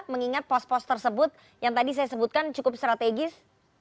mengingat pos pos tersebut yang tadi saya sebutkan cukup strategis